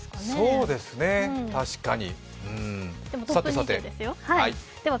そうですね、確かに。